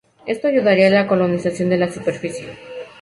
Esto ayudaría a la colonización de la superficie.